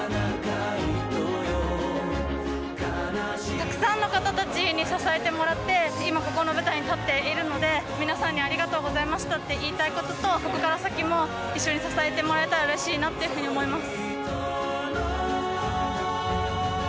たくさんの方たちに支えてもらって、今ここの舞台に立っているので、皆さんにありがとうございましたって言いたいこととここから先も一緒に支えてもらえたらうれしいなと思います。